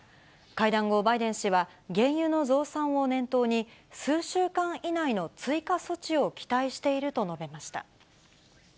会談後、バイデン氏は原油の増産を念頭に、数週間以内の追加措置を期待していると述べました。